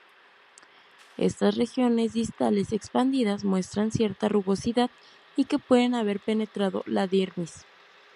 Estas regiones distales expandidas muestran cierta rugosidad, y que puede haber penetrado la dermis.